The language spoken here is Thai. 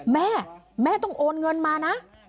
แม่แม่ต้องโอนเงินมานะ